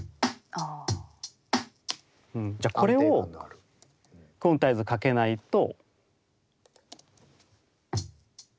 じゃこれをクオンタイズかけないと。